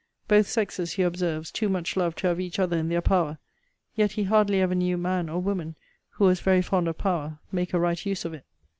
Both sexes, he observes, too much love to have each other in their power: yet he hardly ever knew man or woman who was very fond of power make a right use of it.